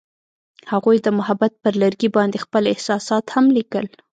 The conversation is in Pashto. هغوی د محبت پر لرګي باندې خپل احساسات هم لیکل.